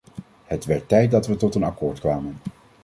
Het werd tijd dat we tot een akkoord kwamen.